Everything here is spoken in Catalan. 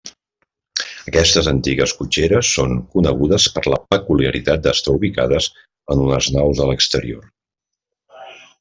Aquestes antigues cotxeres són conegudes per la peculiaritat d'estar ubicades en unes naus a l'exterior.